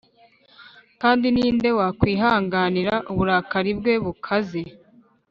Kandi ni nde wakwihanganira uburakari bwe bukaze?